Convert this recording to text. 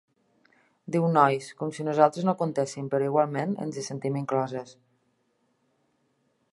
Diu nois, com si nosaltres no comptéssim, però igualment ens hi sentim incloses.